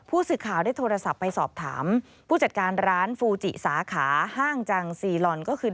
ผู้สื่อข่าวได้โทรศัพท์ไปสอบถามผู้จัดการร้านฟูจิสาขาห้างจังซีลอนก็คือ